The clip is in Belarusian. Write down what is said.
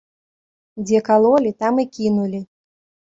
Дзе калолі, там і кінулі.